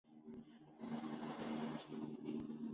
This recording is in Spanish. Federico pospuso el viaje mientras se recuperaba.